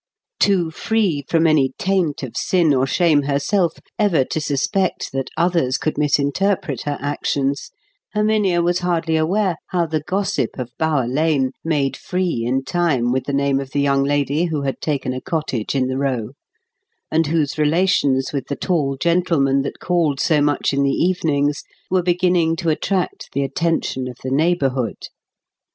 Too free from any taint of sin or shame herself ever to suspect that others could misinterpret her actions, Herminia was hardly aware how the gossip of Bower Lane made free in time with the name of the young lady who had taken a cottage in the row, and whose relations with the tall gentleman that called so much in the evenings were beginning to attract the attention of the neighbourhood.